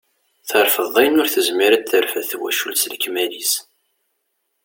Terfdeḍ ayen ur tezmir ad terfed twacult s lekmal-is.